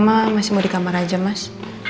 mama masih mau di kamar aja mas